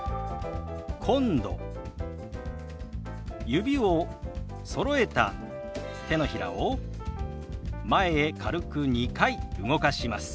指をそろえた手のひらを前へ軽く２回動かします。